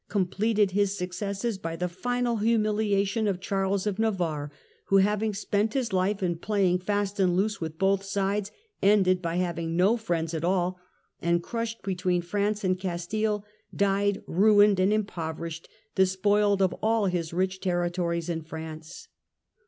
completed his successes by the final humiliation of Charles of Navarre, who, having spent his life in playing fast and loose with both sides, ended by having no friends at all, and, crushed between France and Castile, died ruined and impoverished, de spoiled of all his rich territories in France.